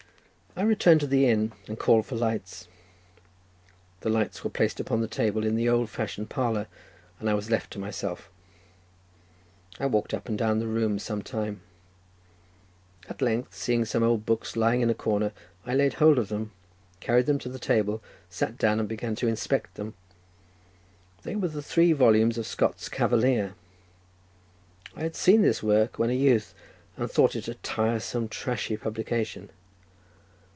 I returned to the inn, and called for lights; the lights were placed upon the table in the old fashioned parlour, and I was left to myself. I walked up and down the room some time, at length, seeing some old books lying in a corner, I laid hold of them, carried them to the table, sat down, and began to inspect them; they were the three volumes of Scott's "Cavalier"—I had seen this work when a youth, and thought it a tiresome, trashy publication.